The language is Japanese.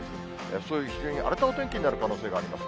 そういう非常に荒れたお天気になる可能性があります。